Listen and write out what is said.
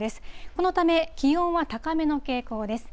このため、気温は高めの傾向です。